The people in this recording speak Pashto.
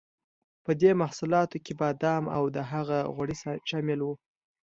په دې محصولاتو کې بادام او د هغه غوړي شامل وو.